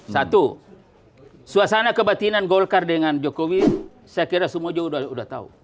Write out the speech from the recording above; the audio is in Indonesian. satu suasana kebatinan golkar dengan jokowi saya kira semua juga sudah tahu